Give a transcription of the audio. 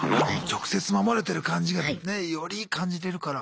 直接守れてる感じがねより感じれるから。